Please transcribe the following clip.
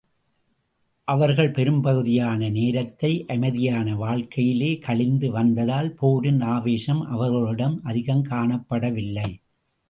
அவர்கள் பெரும்பகுதியான நேரத்தை அமைதியான வாழ்க்கையிலே கழிந்து வந்ததால், போரின் ஆவேசம் அவர்களிடம் அதிகம் காணப்பட வில்லை.